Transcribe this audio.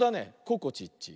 ここちっち。